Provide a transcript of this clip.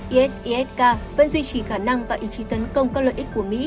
isisk vẫn duy trì khả năng và ý chí tấn công các lợi ích của mỹ